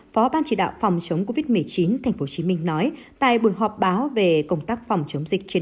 phó ban chỉ đạo phòng chống covid một mươi chín tp hcm nói tại buổi họp báo về công tác phòng chống dịch trên